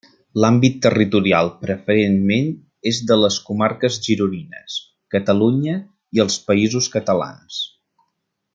L'àmbit territorial preferentment és de les comarques gironines, Catalunya i els Països Catalans.